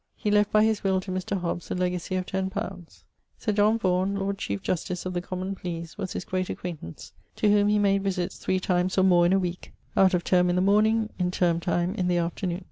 He left by his will to Mr. Hobbes a legacy of ten poundes. Sir John Vaughan, Lord Chiefe Justice of the Common Pleas, was his great acquaintance, to whom he made visitts three times or more in a weeke out of terme in the morning; in terme time, in the afternoon.